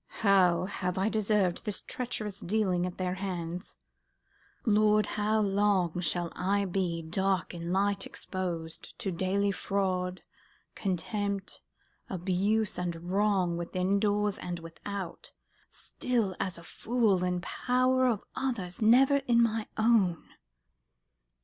"How have I deserved this treacherous dealing at their hands? Lord, how long shall I be dark in light exposed To daily fraud, contempt, abuse, and wrong, Within doors and without, still as a fool In power of others, never in my own?